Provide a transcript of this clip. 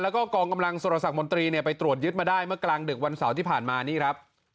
แล้วก็กองกำลังสุรสักมนตรีเนี่ยไปตรวจยึดมาได้เมื่อกลางดึกวันเสาร์ที่ผ่านมานี่ครับ